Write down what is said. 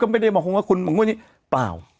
เขาไม่ได้มองว่าคุณบางอย่างนี้เปล่า